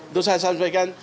itu saya sampaikan